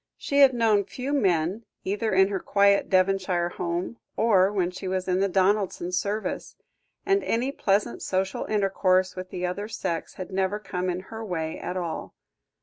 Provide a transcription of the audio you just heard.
She had known few men, either in her quiet Devonshire home, or when she was in the Donaldsons' service, and any pleasant social intercourse with the other sex had never come in her way at all.